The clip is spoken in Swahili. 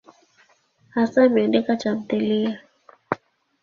Hasa ameandika tamthiliya.